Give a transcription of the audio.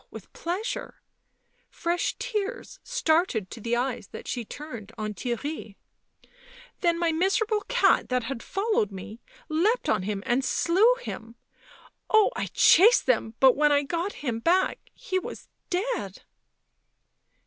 with pleasure "— fresh tears started to the eyes that she turned on Theirry —" then my miserable cat that had followed me leapt on him — and slew him. Oh, I chased them, but when I got him back he was dead."